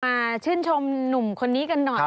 ชื่นชมหนุ่มคนนี้กันหน่อย